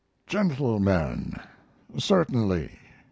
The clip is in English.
GENTLEMEN, Certainly.